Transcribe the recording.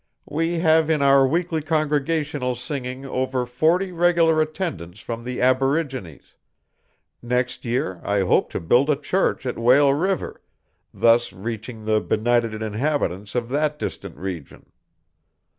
We have in our weekly congregational singing over forty regular attendants from the aborigines; next year I hope to build a church at Whale River, thus reaching the benighted inhabitants of that distant region.